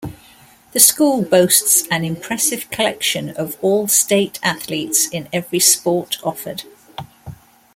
The school boasts an impressive collection of all state athletes in every sport offered.